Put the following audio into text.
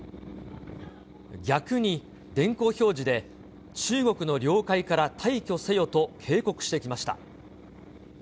逆に電光表示で中国の領海から退去せよと警告してきました。